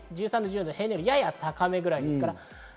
その後も１３度は平年よりやや高めぐらいです。